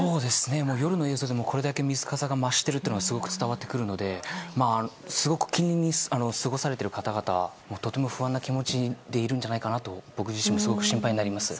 夜の映像でもこれだけ水かさが増していることがすごく伝わってくるので近隣に過ごされている方々は不安な気持ちでいるんじゃないかなとすごく心配になります。